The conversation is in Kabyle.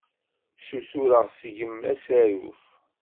Ssutureɣ seg-m asaruf.